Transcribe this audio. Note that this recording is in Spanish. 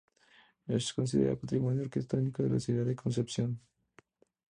Es considerada Patrimonio Arquitectónico de la ciudad de Concepción.